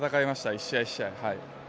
１試合１試合。